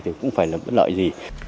thì cũng phải là bất lợi gì